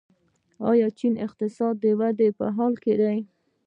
چینايي اقتصاد د ودې په حال کې دی.